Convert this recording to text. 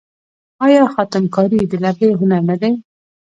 آیا خاتم کاري د لرګیو هنر نه دی؟